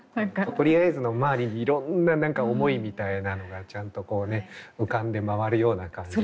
「とりあえず」の周りにいろんな何か思いみたいなのがちゃんと浮かんで回るような感じ。